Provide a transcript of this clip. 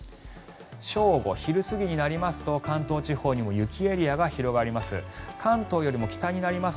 正午、昼過ぎになりますと関東地方にも雪エリアが広がります。